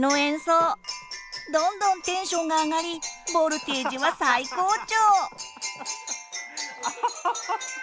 どんどんテンションが上がりボルテージは最高潮！